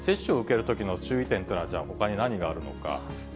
私たちがじゃあ、接種を受けるときの注意点というのは、ほかに何があるのか。